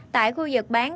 tại khu vực bán cá chép